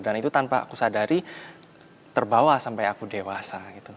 dan itu tanpa aku sadari terbawa sampai aku dewasa